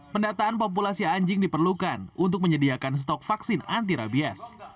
pendataan populasi anjing diperlukan untuk menyediakan stok vaksin anti rabies